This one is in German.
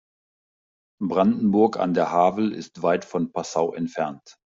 Brandenburg an der Havel ist weit von Passau entfernt